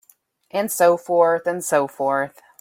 And so forth and so forth.